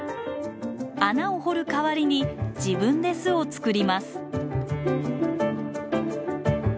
穴を掘る代わりに自分で巣を作ります。